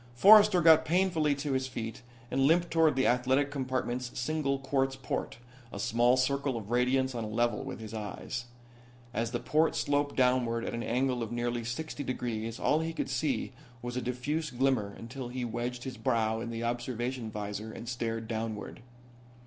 Forrester got painfully to his feet and limped toward the athletic compartment's single quartz port a small circle of radiance on a level with his eyes. As the port sloped downward at an angle of nearly sixty degrees all he could see was a diffuse glimmer until he wedged his brow in the observation visor and stared downward.